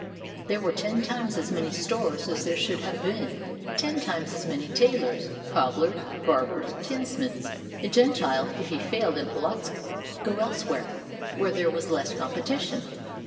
There were ten times as many stores as there should have been, ten times as many tailors, cobblers, barbers, tinsmiths. A Gentile, if he failed in Polotzk, could go elsewhere, where there was less competition.